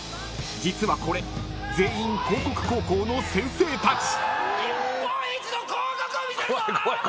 ［実はこれ全員興國高校の先生たち］